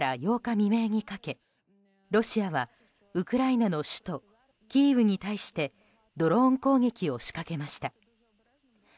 未明にかけロシアはウクライナの首都キーウに対してドローン攻撃を仕掛けました。